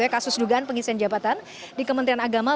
kasus dugaan pengisian jabatan di kementerian agama